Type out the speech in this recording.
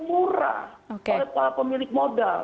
murah oleh pemilik modal